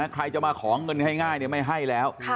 ใครจะมาขอเงินง่ายไม่ให้แล้ว